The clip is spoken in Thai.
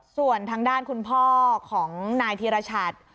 ส่วนทางด้านคุณพ่อของนายธีรชัด